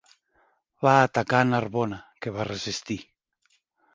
Va atacar Narbona, que va resistir.